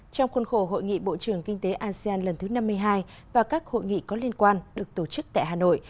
trong khuôn khổ hội nghị bộ trưởng kinh tế asean lần thứ năm mươi hai và các hội nghị có liên quan được tổ chức tại hà nội